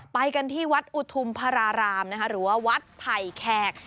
ไปกันที่วัดอุทุมพระรารามหรือว่าวัดไผ่แขก